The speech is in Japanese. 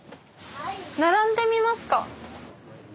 並んでみますか？